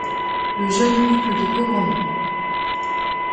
Le jeune couple vit pauvrement.